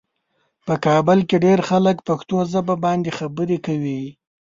په کابل کې ډېر خلک پښتو ژبه باندې خبرې کوي.